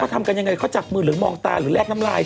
ทำกันยังไงเขาจับมือหรือมองตาหรือแลกน้ำลาย